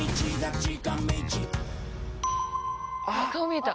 顔見えた！